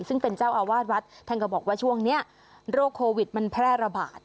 ซึ่งเป็นเจ้าอาวาสวัดท่านก็บอกว่าช่วงนี้โรคโควิดมันแพร่ระบาด